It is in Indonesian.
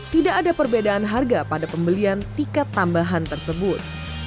tidak ada perbedaan harga pada pembelian tiket tambahan tersebut